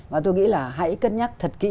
và tôi nghĩ là hãy cân nhắc thật kỹ